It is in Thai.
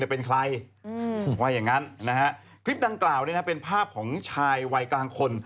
ว่ามึงเป็นใครคลิปดังกล่าวเป็นภาพของชายวัยกลางคน